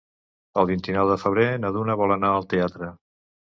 El vint-i-nou de febrer na Duna vol anar al teatre.